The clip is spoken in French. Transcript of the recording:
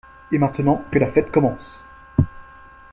Et maintenant, que la fête commence !